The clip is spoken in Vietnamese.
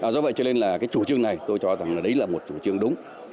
do vậy cho nên là cái chủ trương này tôi cho rằng là đấy là một chủ trương đúng